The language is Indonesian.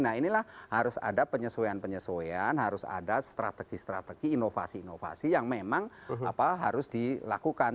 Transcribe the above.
nah inilah harus ada penyesuaian penyesuaian harus ada strategi strategi inovasi inovasi yang memang harus dilakukan